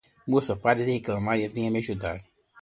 Moça, pare de reclamar e venha me ajudar.